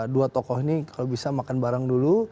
dua tokoh ini kalau bisa makan bareng dulu